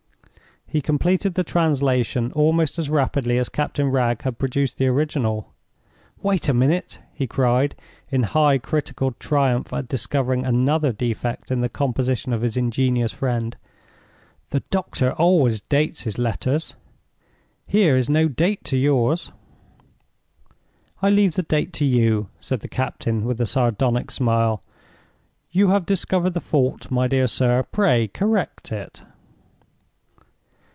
He completed the translation almost as rapidly as Captain Wragge had produced the original. "Wait a minute!" he cried, in high critical triumph at discovering another defect in the composition of his ingenious friend. "The doctor always dates his letters. Here is no date to yours." "I leave the date to you," said the captain, with a sardonic smile. "You have discovered the fault, my dear sir—pray correct it!"